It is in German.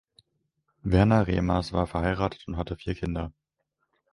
Werner Remmers war verheiratet und hatte vier Kinder.